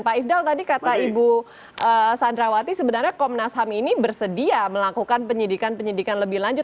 pak ifdal tadi kata ibu sandrawati sebenarnya komnas ham ini bersedia melakukan penyidikan penyidikan lebih lanjut